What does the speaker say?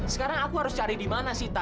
sekarang aku harus cari di mana sita